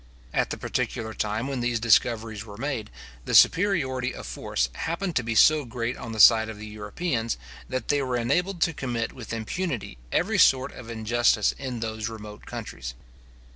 At the particular time when these discoveries were made, the superiority of force happened to be so great on the side of the Europeans, that they were enabled to commit with impunity every sort of injustice in those remote countries.